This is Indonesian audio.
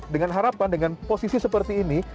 dengan harapan dengan posisi seperti ini